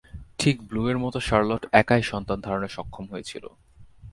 ঠিক ব্লুয়ের মতো শার্লট একাই সন্তান ধারণে সক্ষম হয়েছিল।